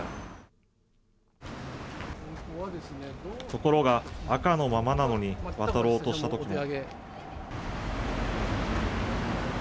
ところが、赤のままなのに渡ろうとしたときも。